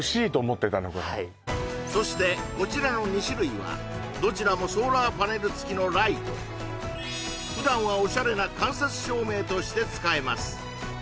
これそしてこちらの２種類はどちらもソーラーパネルつきのライト普段はおしゃれな間接照明として使えます